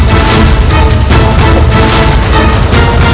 tidak tidak tidak